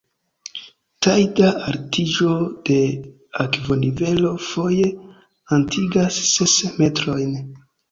Tajda altiĝo de akvonivelo foje atingas ses metrojn.